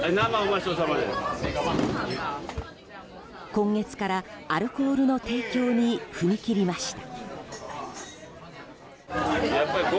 今月から、アルコールの提供に踏み切りました。